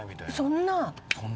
そんな。